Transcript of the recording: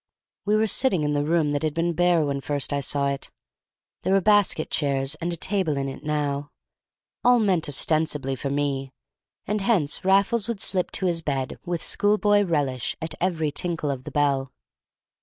We were sitting in the room that had been bare when first I saw it; there were basket chairs and a table in it now, all meant ostensibly for me; and hence Raffles would slip to his bed, with schoolboy relish, at every tinkle of the bell.